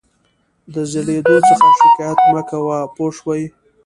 د زړېدو څخه شکایت مه کوه پوه شوې!.